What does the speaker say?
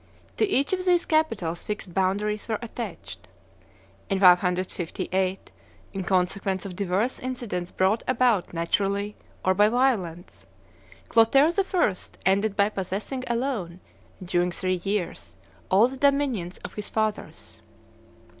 To each of these capitals fixed boundaries were attached. In 558, in consequence of divers incidents brought about naturally or by violence, Clotaire I. ended by possessing alone, during three years, all the dominions of his fathers.